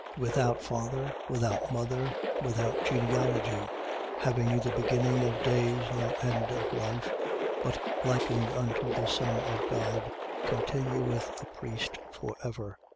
Without father, without mother, without genealogy, having neither beginning of days nor end of life, but likened unto the Son of God, continueth a priest for ever.